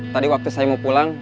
tadi waktu saya mau pulang